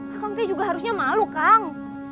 akang teh juga harusnya malu kang